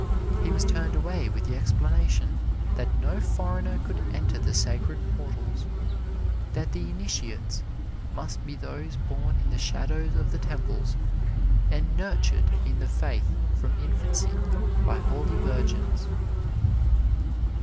He was turned away with the explanation that no foreigner could enter the sacred portals that the initiates must be those born in the shadows of the temples and nurtured in the faith from infancy by holy virgins.